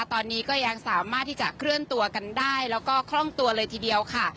ตอนนี้ก็ยังสามารถที่จะเคลื่อนตัวกันได้แล้วก็คล่องตัวเลยทีเดียวค่ะ